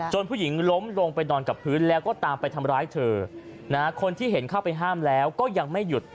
ผู้หญิงล้มลงไปนอนกับพื้นแล้วก็ตามไปทำร้ายเธอคนที่เห็นเข้าไปห้ามแล้วก็ยังไม่หยุด